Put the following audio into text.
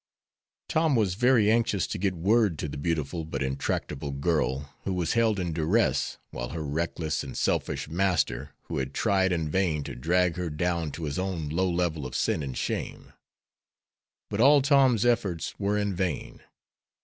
Tom was very anxious to get word to the beautiful but intractable girl who was held in durance vile by her reckless and selfish master, who had tried in vain to drag her down to his own low level of sin and shame. But all Tom's efforts were in vain.